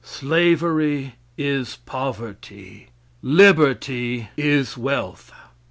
Slavery is poverty; liberty is wealth.